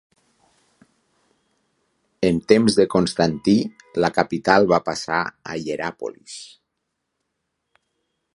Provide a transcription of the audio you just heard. En temps de Constantí, la capital va passar a Hieràpolis.